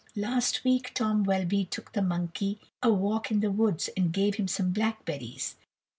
Last week Tom Welby took the monkey a walk in the woods and gave him some blackberries.